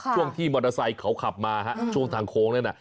ช่วงที่มอเตอร์ไซค์เขาขับมาช่วงทางโค้งนั่นน่ะ